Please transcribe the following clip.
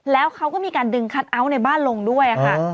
แล้วเขาก็มีการดึงคัทเอาท์ในบ้านลงด้วยค่ะ